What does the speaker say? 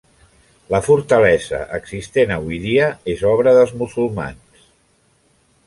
La fortalesa existent avui dia és obra dels musulmans.